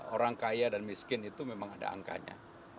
orang kaya dan miskin itu memang ada angkanya